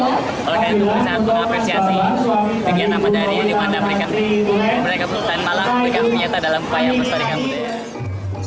oleh karena itu saya mengapresiasi penyelamatan dari di mana mereka menari ke penjara malang mereka menyerta dalam upaya persyaratan budaya